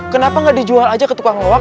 kenapa nggak dijual aja ke tukang loak